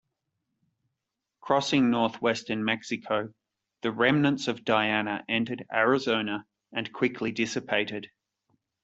Crossing northwestern Mexico, the remnants of Diana entered Arizona and quickly dissipated.